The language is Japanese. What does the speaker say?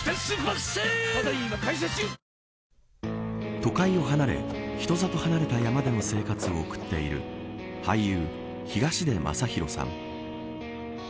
都会を離れ、人里離れた山での生活を送っている俳優、東出昌大さん。